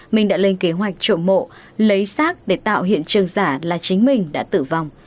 minh đã lên kế hoạch trộm mộ lấy xác để tạo hiện trường giả là chính mình đã tử vong